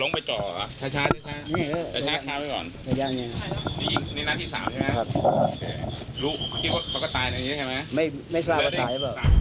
ไม่ชะก็ตาย